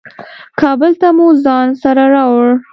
کابل ته مو ځان سره راوړې.